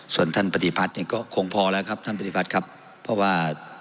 ส่วนท่านปฏิพัฒน์เนี่ยก็คงพอแล้วครับท่านปฏิพัฒน์ครับเพราะว่า